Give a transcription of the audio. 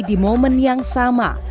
di momen yang sama